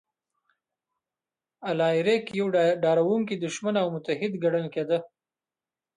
الاریک یو ډاروونکی دښمن او متحد ګڼل کېده